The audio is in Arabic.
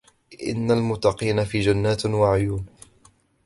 إن المتقين في جنات وعيون